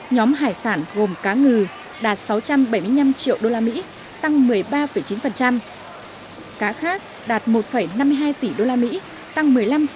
nhóm hải sản gồm cá ngừ đạt sáu trăm bảy mươi năm triệu usd tăng một mươi ba chín cá khác đạt một năm mươi hai tỷ usd tăng một mươi năm